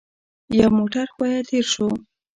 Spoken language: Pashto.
يو موټر ښويه تېر شو.